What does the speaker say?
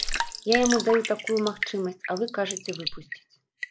Я яму даю такую магчымасць, а вы кажаце выпусціць.